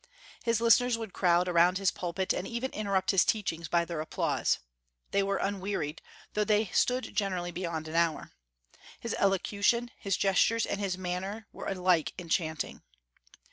His listeners would crowd around his pulpit, and even interrupt his teachings by their applause. They were unwearied, though they stood generally beyond an hour. His elocution, his gestures, and his matter were alike enchanting."